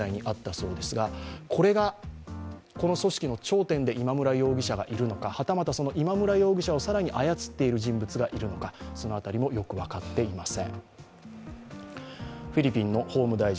この組織の頂点で今村容疑者がいるのかはたまた、今村容疑者を更に操っている人物がいるのか、その辺りもよく分かっていません。